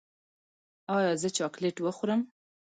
ایا زه چاکلیټ وخورم؟